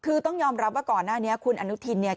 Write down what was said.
คือต้องยอมรับว่าก่อนหน้านี้คุณอนุทินเนี่ย